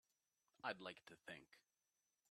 I'd like to think.